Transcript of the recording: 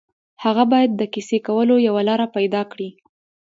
هغه باید د کیسې کولو یوه لاره پيدا کړي